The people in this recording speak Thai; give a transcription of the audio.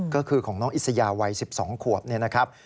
ก็คือของน้องอิสยาวัย๑๒ขวบเนี่ยนะครับ